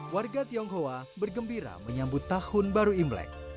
warga tionghoa bergembira menyambut tahun baru imlek